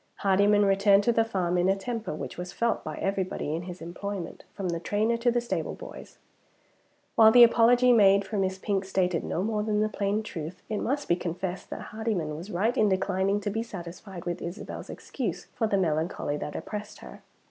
Hardyman returned to the farm in a temper which was felt by everybody in his employment, from the trainer to the stable boys. While the apology made for Miss Pink stated no more than the plain truth, it must be confessed that Hardyman was right in declining to be satisfied with Isabel's excuse for the melancholy that oppressed her.